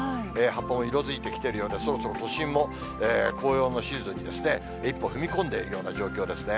葉っぱも色づいてきているようで、そろそろ都心も紅葉のシーズンにですね、一歩踏み込んでいるような状況ですね。